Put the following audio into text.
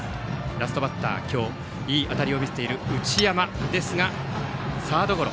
ラストバッター今日いい当たりを見せている内山でしたがサードゴロ。